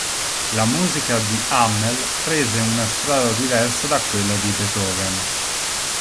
La musica di Hummel prese una strada diversa da quella di Beethoven.